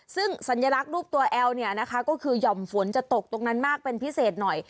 ซึ่งสัญลักษณ์รูปตัวแอลเนี่ยนะคะก็คือห่อมฝนจะตกตรงนั้นมากเป็นพิเศษหน่อย